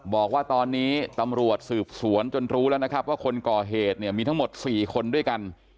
บอกว่าตอนนี้ตำรวจสืบสวนจนรู้แล้วนะครับว่าคนก่อเหตุเนี่ยมีทั้งหมด๔คนด้วยกัน